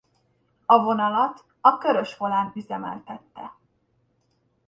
A vonalat a Körös Volán üzemeltette.